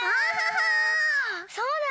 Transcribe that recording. そうだ！